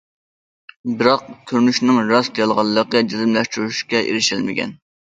بىراق كۆرۈنۈشنىڭ راست- يالغانلىقى جەزملەشتۈرۈشكە ئېرىشەلمىگەن.